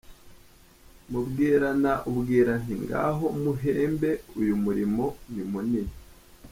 Mubwirana ubwira nti ngaho muhembe Uyu murimo ni munini.